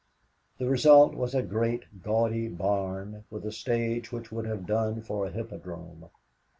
The result was a great, gaudy barn with a stage which would have done for a hippodrome.